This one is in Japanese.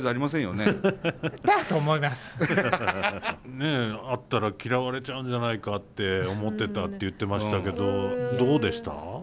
ねっ会ったら嫌われちゃうんじゃないかって思ってたって言ってましたけどどうでした？